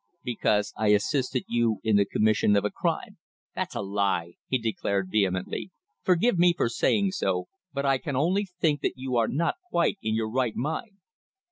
"Because I assisted you in the commission of a crime." "That's a lie!" he declared vehemently. "Forgive me for saying so, but I can only think that you are not quite in your right mind."